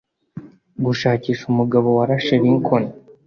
gushakisha umugabo warashe lincoln